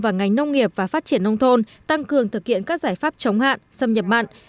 và ngành nông nghiệp và phát triển nông thôn tăng cường thực hiện các giải pháp chống hạn xâm nhập mặn